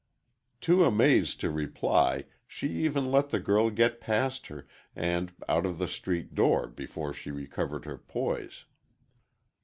Too amazed to reply, she even let the girl get past her, and out of the street door, before she recovered her poise.